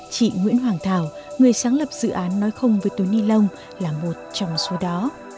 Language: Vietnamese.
chị nguyễn hoàng thảo người sáng lập dự án nói không với túi nilon là một trong số đó